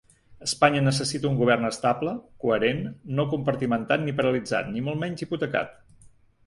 Espanya necessita un govern estable, coherent, no compartimentat ni paralitzat, ni molt menys hipotecat.